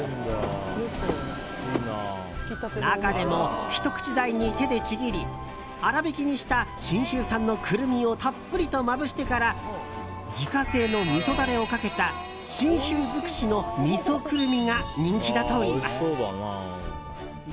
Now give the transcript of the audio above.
中でも、ひと口大に手でちぎり粗びきにした信州産のクルミをたっぷりとまぶしてから自家製のみそダレをかけた信州尽くしのみそくるみが人気だといいます。